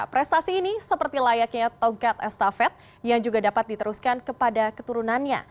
prestasi ini seperti layaknya tongkat estafet yang juga dapat diteruskan kepada keturunannya